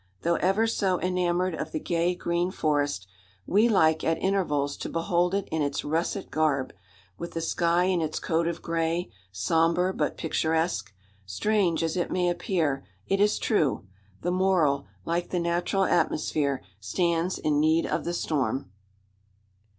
Though ever so enamoured of the gay green forest, we like at intervals to behold it in its russet garb, with the sky in its coat of grey, sombre but picturesque. Strange as it may appear, it is true: the moral, like the natural atmosphere, stands in need of the storm.